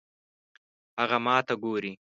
هغه ماته ګوري